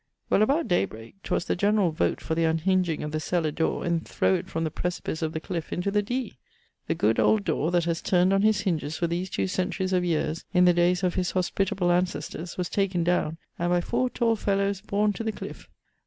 Well, about daybrake 'twas the generall vote for the unhinging of the cellar dore and throwe it from the precipice of the cliffe into the Dee. The good old dore, that haz turnd on his hinges for these two centuries of yeares in the dayes of his hospitable ancestors, was taken downe, and by four tall fellowes borne to the cliffe.